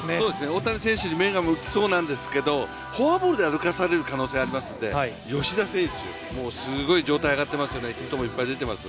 大谷選手に目が向きそうなんですけれどもフォアボールで歩かされる可能性ありますので吉田選手、すごい状態上がってますよね、ヒットもいっぱい出ています。